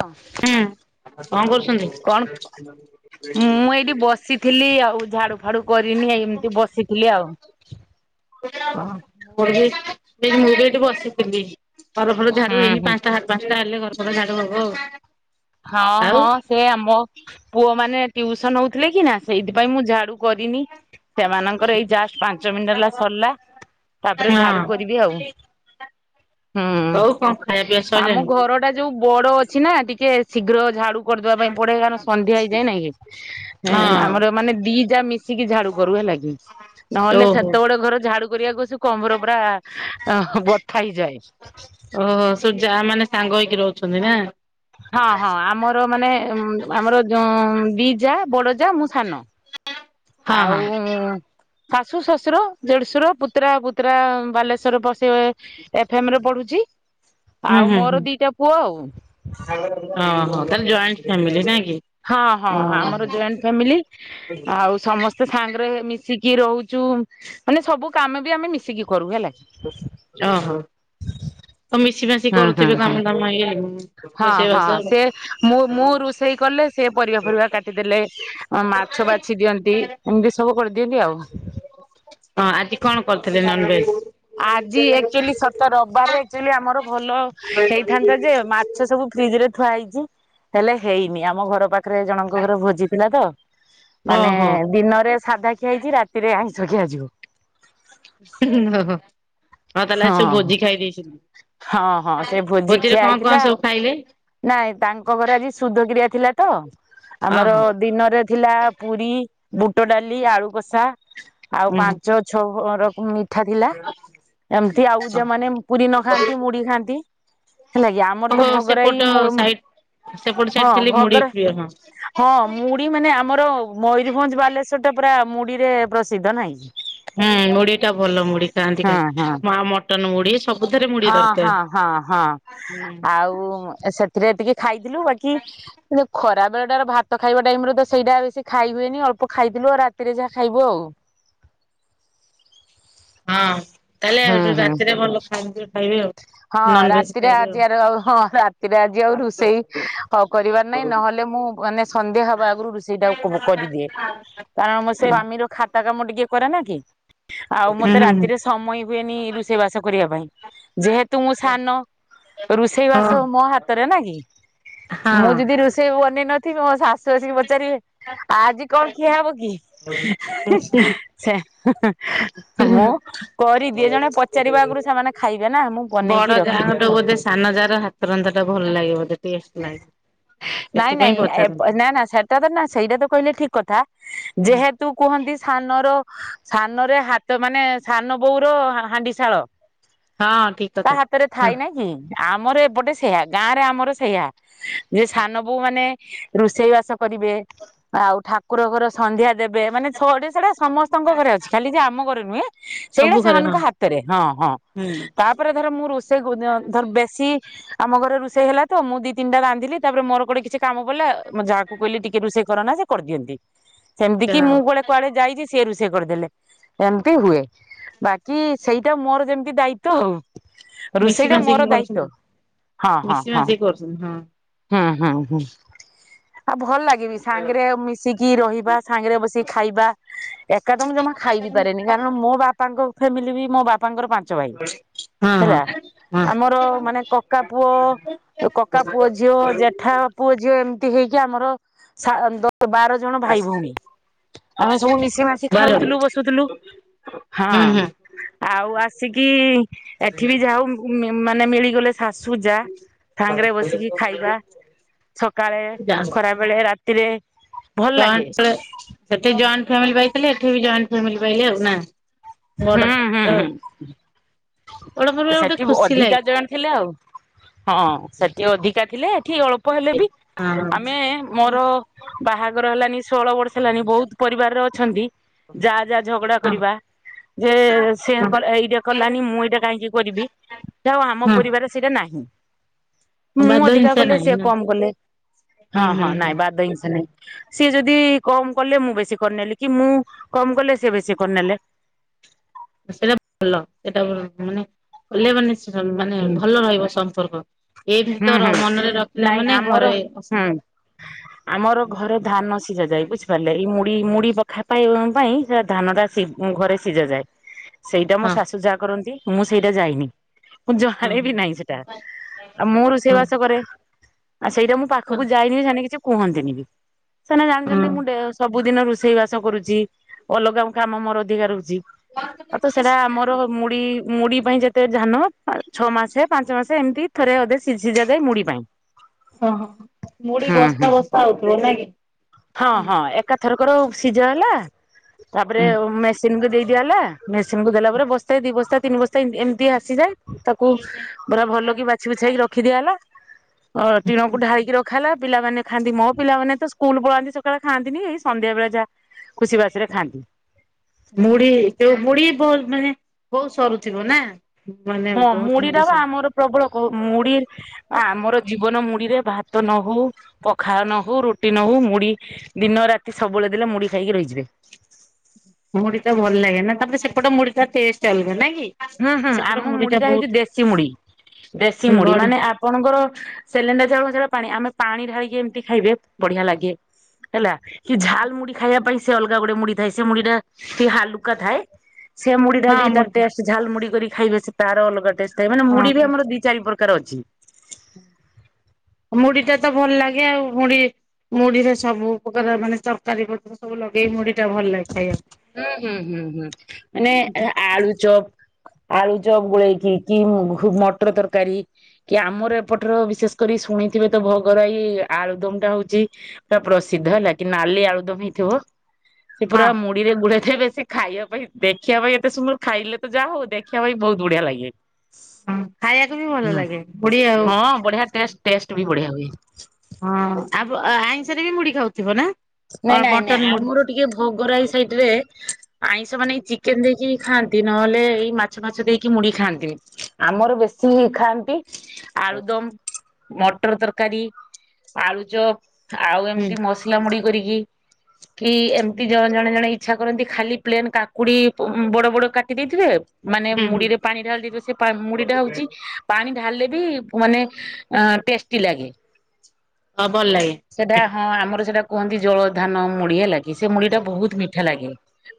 ହଁ ହୁଁ କଣ କରୁଛନ୍ତି? କଣ ମୁଁ ଏଇଠି ବସିଥିଲି ଆଉ। ଝାଡୁ ଫାଡୁ କରିନି ଏମିତି ବସିଥିଲି ଆଉ। ହଁ [unintelligible] ମୁଁ ବି ଏଇଠି ବସିଥିଲି। ହଉ ହଉ ହୁଁ ଝାଡ଼ୁ ହେଇନି ହୁଁ ପାଞ୍ଚଟା ସାଢ଼ ପାଞ୍ଚଟା ହେଲେ ଘର ଭଲ ଜାଡ ହବ ଆଉ। ହଁ ହଁ ସେ ଆମ ପୁଅ ମାନେ ଟ୍ୟୁସନ ହଉଥିଲେ କି? କିନା ସେଇଥିପାଇଁ ମୁଁ ଝାଡୁ କରିନି ସେମାନଙ୍କର ଏଇ ଜାଷ୍ଟ ପାଞ୍ଚ ମିନିଟ ହେଲା ସରିଲା ତାପରେ ଆଉ ହଁ। ଝାଡୁ କରିବି ଆଉ। ହୁଁ ହଉ କଣ ଖାଇବା ପିଇବା ଆମ ସଇଲାଣି? ଘର ଟା ଯୋଉ ବଡ ଅଛି ନା ଟିକେ ଶୀଘ୍ର ଝାଡ଼ୁ କରିଦବା ପାଇଁ ପଡେଇ କ ସନ୍ଧ୍ୟା ହେଇଯାଏ ନାଇଁ କି ହଁ ଆମର ମାନେ ଦି ଜ ମିି [unintelligible] ମିଶି କି ଝାଡୁ କରୁ ହେଲାକି ନହେଲେ ଓହୋ। ସେତେ ବଡ ଘର ଝାଡୁ କରିବାକୁ କମର ପା ବଥା ହେଇଯାଏ। ଓହୋ ସବୁ ଯା ମାନେ ସାଙ୍ଗ ହେଇକି ରହୁଛନ୍ତି ନା। ହଁ ହଁ ଆମର ମାନେ ଆମର ଯୋଉ ବିଜା ବଡଜା ମୁସାନ ହଁ ହଁ। ଆଉ ଶାଶୁ ଶ୍ୱଶୁର ଦେଢ଼ଶୁର ପୁତ୍ରା କୁତ୍ରା ବାଲେଶ୍ଵର ବସେଇ ଏଫ ଏମ ରେ ପଢୁଛି। ହୁଁ ଆଉ ହୁଁ ମୋର ହୁଁ ଦିଟା ପୁଅ ଆଉ ହଁ ହୋ। ତାହଲେ ଜଏଣ୍ଟ ଫାମିଲି ନାଇଁ କି? ହଁ ହଁ ଆମର ଓହୋ। ଜଏଣ୍ଟ ଫ୍ୟାମିଲି ଆଉ ସମସ୍ତେ ସାଙ୍ଗରେ ମିଶିକି ରହୁଛୁ ମାନେ ସବୁ କାମ ବି ଆମେ ମିଶିକି କରୁ ହେଲା। ଓ ହୋ ତ ମିଶିିବା। କି ହୁଁ ହୁଁ କରୁଥେ ହୁଁ କାମଦାମଇ ହଁ ହଁ ସେ ମୁଁ ମୁଁ ରୋଷେଇ କଲେ ସେ ପରିବା ଫରିବା କାଟିଦେଲେ। ହ ମାଛ ବାଛି ଦିଅନ୍ତି ଏମିତି ସବୁ କରି [unintelligible] ହଁ ଆଜି କଣ କରିଥିଲେ ନନଭେଜ ଆଜି ଆଚୁଆଲି ସତ ରବିବାରରେଚୁଲି ଆମର ଭଲ ହେଇଥାନ୍ତା ଯେ ମାଛ ସବୁ ଫ୍ରିଜ ରେ ଥୁଆ ହେଇଛି ହେଲେ ହେଇନି ଆମ ଘର ପାଖ ପାଖରେ ଜଣଙ୍କ ଘରେ ଭୋଜି ଥିଲା ତ ଓହୋ ମାନେ ଓହୋ ଦିନରେ ସାଧା ଖିଆଇଛି ରାତିରେ ଆଇଁଷ ଶଖିଆ ଯିବ ଓ ହୋ ହଁ ତାହେଲେ ସବ ଭୋଜି ଖାଇ ଦେଇଚୁ ହଁ ହଁ ସେ ଭୋଜି ଖିଆ କଣ କଣ ହେଇଥିଲା ସବୁ ଖାଇଲେ? ନାଇଁ ତାଙ୍କ ଘର ଆଜି ସୁଧକିରିଆ ଥିଲା ତ ଆମର ଓହୋ ଦିନରେ ଥିଲା ପୁରୀ ବୁଟ ଡାଲି ଆଳୁ କଷା ଆଉ ଉଁ ପାଞ୍ଚ ଛଅ ର ମିଠା ଥିଲା ଏମିତି ଆଉ ଯେ ମାନେ ପୁରୀ ନ ଖାନ୍ତି ମୁଢ଼ି ଖାଆନ୍ତି ହେଲା କି ଆମର ତ ଓହୋ ସେପଟ ଭଗରାଇ ସାଇଡ ସେପଟ ସାଇଡ ହଁ ଖାଲି ଭ ମୁଢି ପ୍ରିୟ ହଁ ହଁ ମୁଢି ମାନେ ଆମର ମୟୂରଭଞ୍ଜ ବାଲେଶ୍ୱର ଟା ପୁରା ମୁଢି ରେ ପ୍ରସିଦ୍ଧ ନାହିଁ କି ହୁଁ ମୁଢ଼ି ଟା ଭଲ ମୁଢି ଖାଆନ୍ତି ହଁ ଖାଲି ହଁ ମା ମଟ ମଟନ ମୁଢି ସବୁଥିରେ ମୁଢି ହଁ ଦରକାର। ହୁଁ ହଁ ହଁ ହଁ ଆଉ ସେଥିରେ ଟିକେ ଖାଇଥିଲୁ ବାକି ଖରା ବେଳେ ଟାର ଭାତ ଖାଇବା ଟାଇମ ରୁ ତ ସେଇଟା ବେଶୀ ଖାଇ ହୁଏନି ଅଳ୍ପ ଖାଇଥିଲୁ ଆଉ ରାତିରେ ଯାହା ଖାଇବୁ ଆଉ ହଁ ତାହେଲେ ହୁଁ ହୁଁ ରାତିରେ ଭଲ ଖାଆନ୍ତି ଖାଇବେ ଆଉ। ହଁ ନନଭେଜ ରାତିରେ ଖାଇବେ ଆଉ। ଆଜି ଆ ହଁ ରାତିରେ ଆଜି ଆଉ ରୋଷେଇ ହ କରିବାର ନାହିଁ ନହେଲେ ମୁଁ ମାନେ ସନ୍ଧ୍ୟା ହବା ଆଗରୁ ରୋଷେଇ ଟା କରିଦିଏ କାରଣ ମ ସେ ସ୍ୱାମୀର ଖା ତା କାମୋ ଟିକଏ କର ନା କି ଆଉ ମତେ ହୁଁ ମତେ ହୁଁ ରାତିରେ ସମୟ ହୁଏନି ରୋଷେଇ ବାସ କରିବା ପାଇଁ ଯେହେତୁ ମୁଁ ସାନ ରୋଷେଇ ବାସ ମୋ ହାତରେ ନା କି ହଁ ମୁଁ ଯଦି ରୋଷେଇ ବନେଇ ନଥିବି ମୋ ଶାଶୁ ଆସିକି ପଚାରିବେ ଆଜି କଣ ଖିଆ ହବ କି [unintelligible] ସେ ମୁଁ କରିଦିଏ ଜଣେ ପଚାରିବା ଆଗରୁ ସେମାନେ ଖାଇବେ ନା ମୁଁ ବନେଇକି ବଡ ରଖିଦିଏ। ଯାଠୁ ବୋଧେ ସାନ ଯା ର ହାତ ରନ୍ଧା ଟା ଭଲ ଲାଗେ। [unintelligible] ସେଥିପାଇଁ ପଚାରନ୍ତି [unintelligible] ହଁ ଯେହେତୁ କୁହନ୍ତି ସାନର ସାନରେ ହାତ ମାନେ ସାନ ବୋଉର ହାଣ୍ଡି ଶାଳ। ଠିକ ତା କଥା। ହାତରେ ହଁ ଥାଇ ନାଇ କି ଆମର ଏପଟେ ସେଆ। ଗାଁ ରେ ଆମର ସେଇଆ ଯେ ସାନ ବୋଉ ମାନେ ରୋଷେଇ ବାସ କରିବେ ଆଉ ଠାକୁର ଘର ସନ୍ଧ୍ୟା ଦେବେ ମାନେ ଛଆଡେ ସେଟା ସମସ୍ତଙ୍କ ଘରେ ଅଛି ଖାଲି ଯେ ଆମ ଘରେ ନୁହେଁ। ସବୁ ସେଇଟା ଘରେ ହଁ ସେମାନଙ୍କ ହାତରେ ହଁ ହଁ ହୁଁ ତାପରେ ଧର ମୁଁ ରୋଷେଇ ଧର ବେଶୀ ଆମ ଘରେ ରୋଷେଇ ହେଲା ତ ମୁଁ ଦି ତିନିଟା ରାନ୍ଧିଲି ତାପରେ ମୋରୋେ କିଛିକାମ ପଡିଲ ମୋ ଯାହାକୁ କହିଲି ଟିକେ ରୋଷେଇ କର ନା ସେ କରିଦିଅନ୍ତି। ସେମିତି କି ଯାହା ମୁଁ ହଉ। ଗଳେ କୁଆଡେ ଯାଇଛି ସିଏ ରୁଷେଇ କରିଦେଲେ ଏମିତି ହୁଏ ବାକି ସେଇଟା ମୋର ଯେମିତି ଦାୟିତ୍ଵ ଆଉ। ମିଶି ରୋଷେଇ ଟା ମାଶିକି ମୋର ଦାୟିତ୍ଵ କରୁଛନ୍ତି ହଁ ହଁ ମିଶି ହଁ। ମାଶିକି ହଁ। ହୁଁ ହୁଁ ହୁଁ। ଆଉ ଭଲ ଲାଗିବି ସାଙ୍ଗରେ ମିଶିକି ରହିବା ସାଙ୍ଗରେ ବସିକି ଖାଇବା ଏକାଦମ ଜମା ଖାଇବି ପାରେନି କାରଣ ମୋ ବାପାଙ୍କ। ଫାମିଲି ବି ମୋ ବାପା। ବାପାଙ୍କର ପାଞ୍ଚ ଭାଇ ହଁ ହଁ। ହେଲା ହଁ ଆମର ମାନେ କକା ପୁଅ କକା ପୁଅ। ଯ ଜେଠା ପୁଅ ଝିଅ। ହୋଇକି ଆମର। ବାର ଜଣ ଭାଇ ଭଉଣୀ ଆମେ ସବୁ ମିଶି ମାସିି ବରଗଡ଼ ଖାଉଥିଲୁ ବସୁଥିଲୁ ହଁ ହୁଁ ହୁଁ ଆଉ ଆସିକି ଏଠି ବି ଯାଉ ମାନେ ମିଳିଗଲେ ଶାଶୁ ଯା ସାଙ୍ଗରେ ବସିକି। ଖାଇବା ସକାଳେ ଖରାବେଳେ ରାତି। ଥିରେ। ଜଏ ସେତେ ଜଏଣ୍ଟ ଫ୍ୟାମିଲିାଇ। ତାଲେ ଏଠ ବି ଜଏଣ୍ଟ ଫ୍ୟାମିଲି ପାଇଲେ ଆଉ ନା। ବଡ ହୁଁ ହୁଁ ହୁଁ ବଡ ପରିବାର ଗୋଟେ ସେଠି ଖୁସି ଅଧିକା ଲାଗେ ଜଣ ଥିଲେ ଆଉ। ହଁ ସେଠି ଅଧିକା ଥିଲେ। ଠିକ ଅଳ୍ପ ହେଲେ ବି ଆମେ ହଁ ହଁ ମୋର। ବାହାଘର ହେଲାନି ଷୋହଳ ବର୍ଷ ହେଲାନି ବହୁତ ପରିବାରର ଅଛନ୍ତି। ଯାହା ଯାହା ଝଗଡା କରିବା। ହଁ ଯେ ସେ ଏଇଟା କଲାନି ମୁଁ ଏଇଟା କାହିଁକି କରିବି ଯଉ ଆମ ହଁ ପରିବାର ସେଇଟା ନା। ନାଁ। ମୁଁ ବାଦ ଅଧିକା ହିଂସା କଲେ ନାହିଁ ସେି ନା। କମ କଲେ ହୁଁ ହଁ ହୁଁ ହଁ ହୁଁ ନାଇଁ ବା ଦ ଜିନିଷ ନାଇଁ। ସିଏ ଯଦି କମ କଲେ ମୁଁ ବେଶୀ କରିନେଲି କି ମୁଁ କମ କଲେ ସିଏ ବେଶୀ କରିନେଲେ। ସେଇଟା ଭଲ ସେଇଟା ମାନେ କଲେ ମାନେ। ମାନେ ହୁଁ ଭଲ ରହିବ ସମ୍ପର୍କ। ଏମିତି ହୁଁ ତ ହୁଁ ମନରେ ରଖିଲା ନାଇଁ ମାନେ ଆମର ଘରେ ଅଶାନ୍ତି। ହୁଁ ଆମର ଘରେ ଧାନ ସିଝା ଯାଏ ବୁଝିପାରିଲେ ଏଇ ମୁ। ମୁ ମୁଡି ପଖା ପାଇଁ ସେ ଧାନ ଟା ସି ଘରେ ସିଝ ଯାଏ। ସେଇଟା ମୋ ହଁ ଶାଶୁ ଯାହା କରନ୍ତି ମୁଁ ସେଇଟା ଯାଇନି ମୁଁ ଜାଣ ବି ନାହିଁ ସେଇଟା। ମୁଁ ରୋଷେଇ ବାସ ଓହୋ କରେ। ଆ ସେଇଟାଁ ହଁ ପାଖକୁ ଯାଇନି ସୋନ କିଛି। କୁହନ୍ତିନି ବି। ସେମାନେ ଜାଣିଛନ୍ତି ମୁଁବ। ସବୁ ଦିନ ରୋଷେଇ ବାସ କରୁଛି ଅଲଗା କାମ ମୋର ଅଧିକା ରହୁଛି। ଆଉ ତ ସେଟା ଆମର ମୁଢି। ମୁଢି ପାଇଁ ଯେତେ ଧାନ ଛଅ ମାସେ ପାଞ୍ଚ ମାସେ ଏମିତି। ଥରେଧେ ସି ସିଝା ଯାଏ ମୁଢଡି ପାଇଁ ହ ହଁ ମୁଢ ହୁଁ ହୁଁ ବସ୍ତା ବସ୍ତା ହଉିବ। ସିଝ ହେଲା। ତାପରେ ମେସିନ୍କୁ ଦେଇ ଦିଆ ହେଲା ମେସିନକୁ ଦେଲା ପରେ ବସ୍ ଦି ବସ୍ତା ତିନି ବସ୍ତା ଏମିତି ଆସିଯାଏ। ତାକୁ ପରା ଭଲ କି ବା ବାରଖିଆ ହେଲା [unintelligible] ହ ଟିଣକୁ ଢାଳିକି ରଖ ହେଲା [unintelligible] ପିଲାମାନେ ଖାନ୍ତି ମୋ ପିଲ ମାନେ ତ ସ୍କୁଲ ପଳାନ୍ତି ସକାଳେ ଖାନ୍ତିି ଏଇ ସଧ୍ୟାବେଳେ ଯାହା ଖୁସି ବାସିରେ ଖାଆନ୍ତି ମୁଡ଼ି ତ ମୁଡି ବଲ ମାନେ ବୋଉତ ସରୁଥିବ ନା ମାନେ ହଁ ବହୁତ ମୁଢି ଟ ବା ସରୁ ଆମର ପ୍ରବଳ କ ମୁଢି ଆମର ଜୀବନ ମୁ ମୁରେ ଭାତ ନ ହଉ ପଖା ନ ହଉ ରୁଟି ନହୁଉ ମୁଢ ଦିନ ରାତି ସବୁବେଳେ ଦେଲେ ମୁଢ ଖାଇକି ରହିଯିବେ। ମୁଢୀା ଭଲ ଲାଗେ ନା ତାମରେ ସେପଟେ ମୁଢୀ ଟା ଟେଷ୍ଟ ଅଲଗା ନାଇଁ କି? ହୁଁ ହୁଁ ଆମ ମୁଢି ଟା ହେଉଛି ଦେଶୀ ମୁଢି ଦେଶୀ ମୁଢି ବଢି ମାନେ ଆପଣଙ୍କର ସିଲିଣ୍ଡର ଚାଳ ପାଣି ଆମେ ପାଣି ଢାଳିକି ଏମିତି ଖାଇବେ ବଢିଆ ଲାଗେ ହେଲା କି ଝାଲ ମୁଢ ଖାଇବା ପାଇଁ ସେ ଅଲଗା ଗୁଟେ ମୁଢ ଥାଏ ସେ ମୁଢ ଟା ଟିକେ ହାଲୁକା ଥାଏ। ସେ ମୁଡ଼ି ହଁ ବି ତା ମୁଢି ଟେଷ୍ଟ ମୁଡି କରି ଖାଇବେ ସେ ତାର ଅଲଗା ଟେଷ୍ଟ ତ ମାନେ ମୁି ବି ହଁ ଆମର ଦି ଚାରି ପ୍ରକାର ଅଛି। [unintelligible] ମୁଢି ଟା ତ ଭଲ ଲାଗେ ଆଉ ମୁଢ଼ି ମୁଢିରେ ସବୁ ଉପକାର ମାନେ ତରକାରୀ ପତ୍ର ସବୁ ଲଗେଇକି ମୁଢି ଟା ଭଲ ଲାଗେ ଖାଇବାକୁ। ହୁଁ ହୁଁ ହୁଁ ହୁଁ ମାନେ ଆ ଆଳୁ ଚପ୍ ଆଳୁ ଚପ୍ ଗୋଳେଇକି କି ମଟର ତରକାରୀ କି ଆମର ଏପଟରେ ବିଶେଷ କରି ଶୁଣିଥିବେ ତ ଭୋଗରାଇ ଆଳୁଦମ ଟା ହଉଚି ପୁରା ପ୍ରସିଦ୍ଧ ହେଲା କି, ନାଲି ଆଳୁଦମ ହେଇଥିବ ସେ ପୁରା ମୋ ଗୁଡେଏ ବେଶୀ ଖାଇବା ପାଇଁ ଦେଖିବା ପାଇଁ ଏତେ ସୁନ୍ଦର, ଖାଇଲେ ତ ଯାହା ହଉ ଦେଖିବା ପାଇଁ ବହୁତ ବଢିଆ ଲାଗେ। ହଁ ଖାଇବାକୁ ବି ଭଲ ହୁଁ ଲାଗେ [unintelligible] ଆଉ। ହଁ ବଢିଆ ଟେଷ୍ଟ ଟେଷ୍ଟ ବି ବଢିଆ ହୁଏ। ହଁ [unintelligible] ଆ ଆଇଁଷରେ ବି ମୁଢ ଖାଉଥିବ ନା? ଅ ନାଇଁ ନାଇଁ ନାଇଁ ମଟନ ମୁଢି ଆମର ଟିକେ ଭୋଗରାଇ ସାଇଟରେ ଆଇଁଷ ମାନେ ଚିକେନ ଦେଇକି ଖାଆନ୍ତି ନହେଲେ ଏଇ ମାଛ ପାଛ ଦେଇକି ମୁଡି ଖାଆନ୍ତି ଆମର ବେଶୀ ଖାଆନ୍ତି। ଆଳୁଦମ। ମଟର ତରକାରୀ, ଆଳୁଚପ ଆଉ ହୁଁ ଏମିତି ମସଲା ମୁଡି। କରିକି, କି ଏମତି ଜଣେ ଜଣେ ଜଣେ ଇଚ୍ଛା କରନ୍ତି ଖାଲି ପ୍ଲେନ କାକୁଡି ବଡ ବଡ କାଟି ଦେଇଥିବେ ମାନେ ହୁଁ ହୁଁ ମୁଢିରେ ପାଣି ଢାଳି ଦେଇଥିବେ ପା ସେ ମୁଢଟା ହେଉଛି ପାଣି ଢାଲେ ବି ମାନେ ଟେଷ୍ଟି ଲାଗେ। ହଁ ଭଲ ଲାଗେ ସେଟା ହଁ ଆମର ସେଟା କୁହନ୍ତି ଜଳ ଧାନ ମୁଢ଼ି ହେଲା। କି ସେ ମୁଢିଟା ବହୁତ ମିଠା ଲାଗେ।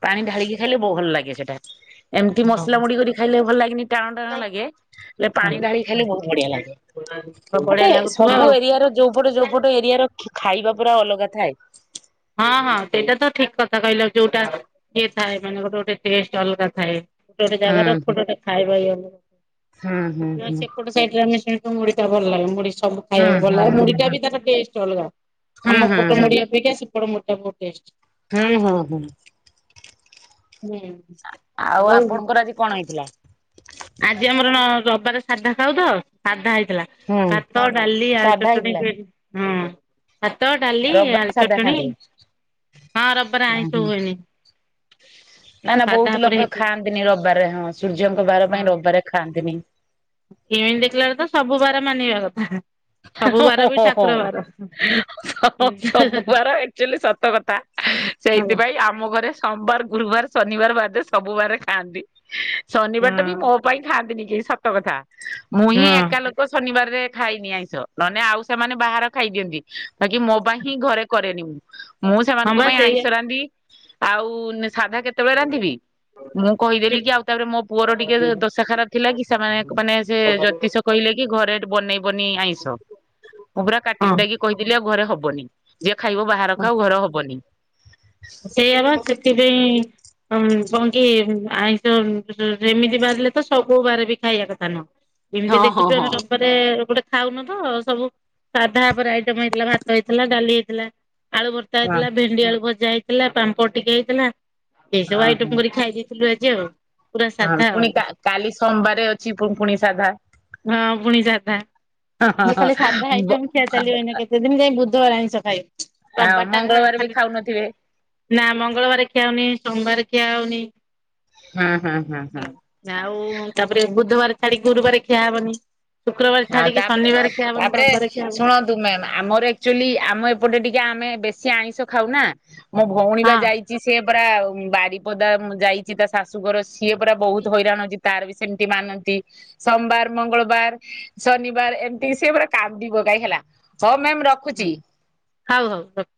ପାଣି ଢାଳିକି ଖାଇଲେ ବହୁ ଭଲ ଲାଗେ ସେଟା। ଏମିତି ହଁ ମସଲା ମୁଢି କରି ଖାଇଲେ ଭଲ ଲାଗେନି ଟାଣ ଟାଣ ଲାଗେ ହେଲେ ପାଣି ଢାଳି ଖାଇଲେ ବହୁତ ବଢିଆ ଲାଗେ ବଢିଆ ଗୋଟେ ଲାଗୁଥିବ ସବୁ ଆଉ। ଏରିଆ ର ଯୋଉପଟେ ଯୋଉପଟ ର ଖା ଖାଇବା ପୁରା ଅଲଗା ଥାଏ। ହଁ ହଁ ସେଇଟା ତ ଠିକ କଥା କହିଲ ଯୋଉଟା ଇଏ ଥାଏ ମାନେ ଗୋଟେ ଗୋଟେ ଟେଷ୍ଟ ଅଲଗା ଥାଏ। ଗୋଟେ ଗୋଟେ ହୁଁ ଜାଗାର ଗୋଟେ ଗୋଟେ ଖାଇବା ଇଏ ହୁଁ ହୁଁ ନା ହୁଁ ହୁଁ ସେପଟ ସାଇଟ ଜାନି ସାର। ତ ମୁଢ଼ି ଟା ଭଲ ଲାଗେ ମୁଢ଼ି ଚ ସବୁ ହୁଁ ଖାଇବାକୁ ଭଲଲାଗେ ହୁଁ ହୁଁ ହୁଁ। ମୁଢ଼ିଟା ବି ତାର ଟେଷ୍ଟ ଅଲଗା ହୁଁ ଆମ ହୁଁ ପଟ ହୁଁ ମୁଢ଼ି ଅପେକ୍ଷା ସେ ସେପଟ ମୁଢି ଟା ଭ ହୁଁ ହୁଁ ହୁଁ। ହୁଁ ଆ ଆଉ ଆପଣଙ୍କର ଆଜି କଣ ହେଇଥିଲା? ଆଜି ଆମର ନ ରବବାରେ ସାଧା ଖାଉତ ସାଧା ହେଇ ଥିଲା ହୁଁ ଭାତ ଡାଲି ଆଳୁ ସାଧା ଚଟଣି ହେଇଥିଲା ଭେ ରବିବାର ସାଧା ଚଟଣି ଖାଆନ୍ତି ହଁ ରବିବାରେ ଆଇଁଷ ଉହୁଁ ହୁଏନି ନା ନା ସାଧା ବହୁତ ଉପରେ ଲୋକ ହେଇଥିବ। ଖାଆନ୍ତିନି ରବିବାରରେ ହଁ ସୂର୍ଯ୍ୟଙ୍କ ବାର। ପାଇଁ ରବାରେ ଖାଆନ୍ତି। [inaudible] ଏଣେ ଦେଖିଲା ବେଳୁକୁ ତ ସବୁ ବାର ମାନିବା କଥା ଓ ସବୁ ହ ବାର ବି ହ ଠାକୁର ହ ବାର। ସ କିନ୍ତୁ ସବୁବାର ଏକ୍ଟୁଆଲି ସତ କଥା ହଁ ସେଇଥିପାଇଁ ଆମଘରେ ସୋମବାର ଗୁରୁବାର ଶନିବାର ବାଦେ ସବୁବାରେ ଖାଆନ୍ତି। ଶନିବାରଟା ବି ମୋ ହଁ ପାଇଁ ଖାଆନ୍ତିନି। ଏଇ ସତ କଥା ମୁଁ ହିଁ ଏକା ଲୋକ ଶନିବାରରେ ଖାଇନି ଆଇଁଷ ଯ ନନେ ଆଉ ସେମାନେ ବାହାର ଖାଇ ଦିଅନ୍ତି। ବାକି କି ମୋ ପାଇଁ ହିଁ ଘରେ କରେନି ମୁଁ। ମୁଁ ହଁ ସେମାନଙ୍କ ବା ପାଇଁ ଆଇଁଷ ସେଇଆ। ରାନ୍ଧି ଆଉ ସାଧା କେତେବେଳେ ରାନ୍ଧିବି। ମୁଁ କହିଦେଲି କି ଆଉ ତାପରେ ମୋ ପୁଅର ଟିକେ ଦଶା ଖରାପ ଥିଲା କି ସେମାନେ ମାନେ ସେ ଜ୍ୟୋତିଷ କହିଲେ। କି ଘରେ ବନେଇ ବନି ଆଇଁ ହ ମୁଁ ପୁରା କାଟିକୁଟାଇକି ହଁ କହିଦେଲି ଆଉ ଘରେ ହବ। ବନି ଯେ ଖାଇବ ବାହାର ଖାଉ ଘର ହବନି। ହ କଣ କି ଆଇଁଷ ଅ ସେମିତି ବାରିଲେ ତ ସବୁ ବାର ବି ଖାଇବା କଥା ନୁହଁ। ଏମିତି ହଁ ହଁ ଦେଖୁଛୁ ଆମେ ହଁ। ରବିବାରେ ଗୋଟେ ଖାଉନ ତ, ସବୁ ସାଧାପରେ ଆଇଟମ ହେଇଥିଲା ଭାତ ହେଇଥିଲା ଡାଲି ହେଇଥିଲା। ଆଳୁ ଭର୍ତା ହଁ ହେଇଥିଲା ଭେଣ୍ଡି ଆଳୁ ଭଜା ହେଇଥି ଥିଲା ପାମ୍ପଡ ଟିକେ ହେଇଥିଲା। ଏସବୁ ହଁ ଆଇଟମ କରି ହଁ ଖାଇଛି। [unintelligible] ହଁ ପୁଣି କା କାଲି ସୋମବାର ଅଛି ପୁ ପୁଣି ସାଧା। ହଁ ପୁଣି ସାଧା। ହଁ ହଁ ଯେ ଖାଲି ସାଧା ହଁ ବ ଆଇଟମ ଖିଆ ଚାଲିବ ଏଇନା କେତେ ଦିନ ଯାଇ। ଧ ବାର ଆଇଁଷ ଖାଇ ଆଉ ରବିବାର ଟା ଖା ମଙ୍ଗଳବାର ବି ଖାଲି ଖାଉନଥିବେ। ନା ମଙ୍ଗଳବାର ଖିଆହଉନି ସୋମବାର ଖିଆ ହଉନି। ହଁ। ହଁ ହଁ। ହେଲୋ ଆଉ ତାପରେ ବୁଧବାର ଛାଡିକି ଗୁରୁବାର ଖିଆ ହବନି। ଶୁକ୍ରବାର ହଁ ଛାଡିକି ତାପରେ ଶନିବାର ଖିଆ ହବନି ତାପରେ ରବିବାର ଖିଆ ହବନି ଶୁଣନ୍ତୁ ମାମ୍। ଆମର ଏକ୍ଟୁଆଲି ଆମ ଏପଟେ ଟିକେ ଆମେ ବେଶ୍ ସିଏ ଆଇଁଷ ଖାଉ ନା। ମୋ ଭଉଣୀ ବା ହଁ ଯାଇଛି ସେ ପୁରା ଆଉ ବାରିପଦା ଯାଇଛି। ତା ଶାଶୁଘର ସିଏ ପୁରା ବହୁତ ହଇରାଣ ଅଛି ତାର ବି ସେମିତି ମାନନ୍ତି ସୋମବାର ମଙ୍ଗଳବାର ଶନିବାର ଏମିତି ସେ ପୁରା କାନ୍ଦି ପକାଏ ହେଲା ହ ହଁ ହଉ ହଉ ରଖ